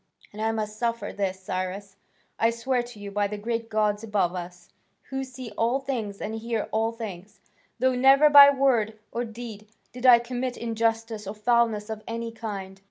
And I must suffer this, Cyrus, I swear to you by the great gods above us, who see all things and hear all things, though never by word or deed did I commit injustice or foulness of any kind."